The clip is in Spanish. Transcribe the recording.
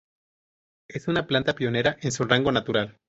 Es una planta pionera en su rango natural.